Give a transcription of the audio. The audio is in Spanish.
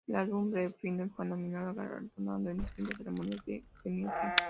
El álbum "Barrio Fino" fue nominado y galardonado en distintas ceremonias de premiación.